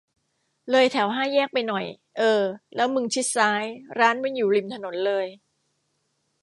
เลยแถวห้าแยกไปหน่อย เออ แล้วมึงชิดซ้าย ร้านมันอยู่ริมถนนเลย